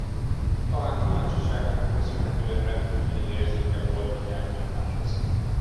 Talán kíváncsiságának köszönhetően rendkívüli érzéke volt a nyelvtanuláshoz.